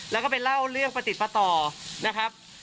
แล้วก็ไปเล่าเรื่องประติดประต่อนะครับ